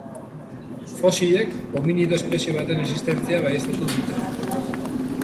Fosilek hominido espezie baten existentzia baieztatu dute.